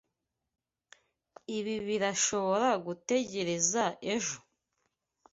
Ibi birashobora gutegereza ejo?